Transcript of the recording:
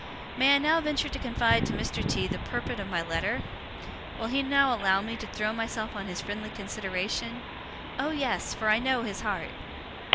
'May I now venture to confide to Mr. T. the purport of my letter? Will he now allow me to throw myself on his friendly consideration? Oh yes, for I know his heart!